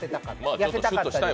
痩せたかったんです。